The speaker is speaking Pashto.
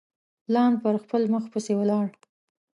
پلان پر خپل مخ پسي ولاړ.